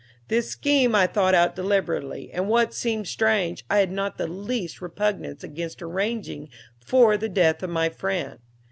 This scheme I thought out deliberately, and what seems strange, I had not the least repugnance against arranging for the death of my friend.